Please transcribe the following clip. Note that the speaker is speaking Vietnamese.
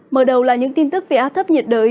mở đầu là những tin tức về áp thấp nhiệt đới